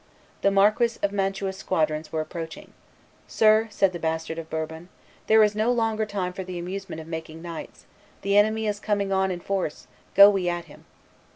The Marquis of Mantua's squadrons were approaching. "Sir," said the bastard of Bourbon, "there is no longer time for the amusement of making knights; the enemy is coming on in force; go we at him."